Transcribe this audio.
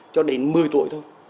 cho đến mười tuổi thôi